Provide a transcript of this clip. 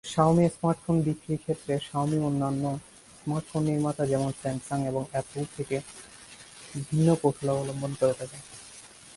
Xiaomi smartphone বিক্রির ক্ষেত্রে, Xiaomi অন্যান্য স্মার্টফোন নির্মাতা যেমন- স্যামসাং এবং অ্যাপল থেকে ভিন্ন কৌশল অবলম্বন করে থাকে।